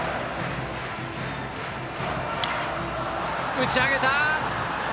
打ち上げた。